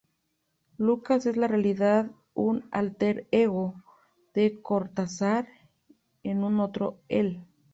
Lucas es en realidad un "alter ego" de Cortázar, es un otro el.